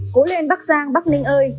cố lên bắc giang bắc ninh ơi